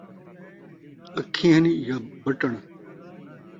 اکھیں ہن یا بتݨ؟